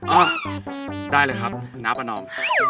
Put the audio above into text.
ได้เลยครับน้าประนอม